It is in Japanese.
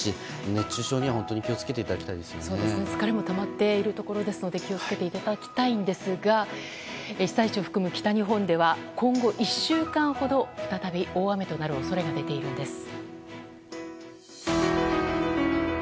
熱中症には本当に疲れもたまっているところなので気を付けていただきたいんですが被災地を含む北日本では今後１週間ほど再び大雨となる恐れが出ているんです。